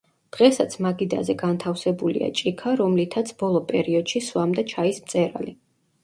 დღესაც მაგიდაზე განთავსებულია ჭიქა, რომლითაც ბოლო პერიოდში სვამდა ჩაის მწერალი.